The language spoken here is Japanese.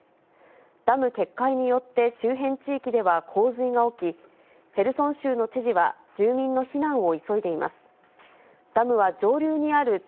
ダム決壊によって周辺地域では洪水が起き、ヘルソン州の知事は、全国の皆さん、こんばんは。